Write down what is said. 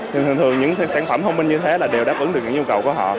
thường thường những sản phẩm thông minh như thế là đều đáp ứng được những nhu cầu của họ